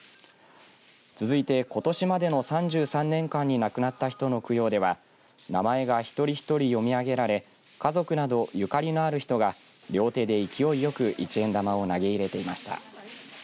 続いて、ことしまでの３３年間に亡くなった人の供養では名前が一人一人読み上げられ家族などゆかりのある人が両手で勢いよく一円玉を投げ入れていました。